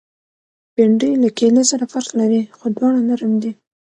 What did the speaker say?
بېنډۍ له کیلې سره فرق لري، خو دواړه نرم دي